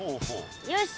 よし。